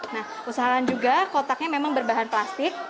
nah usahakan juga kotaknya memang berbahan plastik